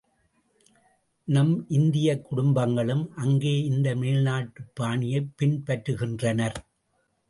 நம் இந்தியக் குடும்பங்களும் அங்கே இந்த மேல் நாட்டுப் பாணியைப் பின்பற்றுகின்றனர்.